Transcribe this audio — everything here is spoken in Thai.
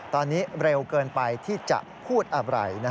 ตอนนี้เร็วเกินไปที่จะพูดอะไร